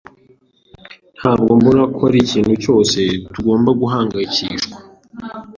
Ntabwo mbona ko arikintu cyose tugomba guhangayikishwa.